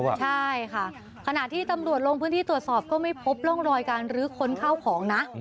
ใช่ค่ะขณะที่ตำรวจลงพื้นที่ตรวจสอบก็ไม่พบร่องรอยการรื้อค้นข้าวของนะ